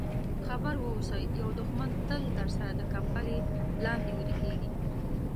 خبر واوسه یو دښمن تل درسره د کمپلې لاندې ویده کېږي.